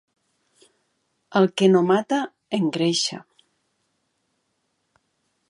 El que no mata, engreixa.